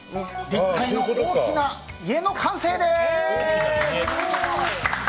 立体の大きな家の完成です！